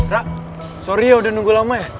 rak sorry ya udah nunggu lama ya